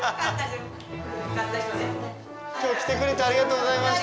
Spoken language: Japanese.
今日は来てくれてありがとうございました。